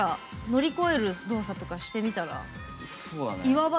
乗り越える動作とかしてみたら、岩場。